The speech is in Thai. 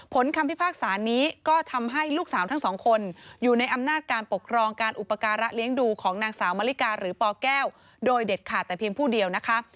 คำพิพากษานี้ก็ทำให้ลูกสาวทั้งสองคนอยู่ในอำนาจการปกครองการอุปการะเลี้ยงดูของนางสาวมะลิกาหรือปแก้วโดยเด็ดขาดแต่เพียงผู้เดียวนะคะ